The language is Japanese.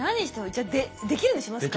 じゃあ「できる」にしますか。